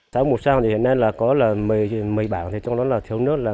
xã mù sang hiện nay có một mươi bản trong đó là thiếu nước